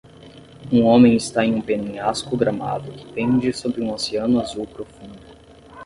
um homem está em um penhasco gramado que pende sobre um oceano azul profundo.